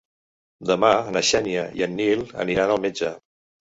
Demà na Xènia i en Nil aniran al metge.